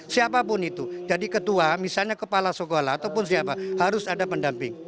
siapapun itu jadi ketua misalnya kepala sekolah ataupun siapa harus ada pendamping